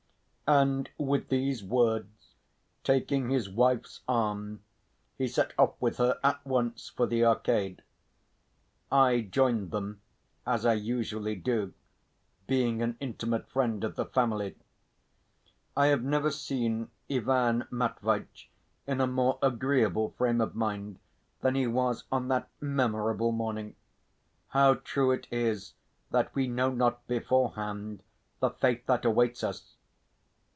And with these words, taking his wife's arm, he set off with her at once for the Arcade. I joined them, as I usually do, being an intimate friend of the family. I have never seen Ivan Matveitch in a more agreeable frame of mind than he was on that memorable morning how true it is that we know not beforehand the fate that awaits us!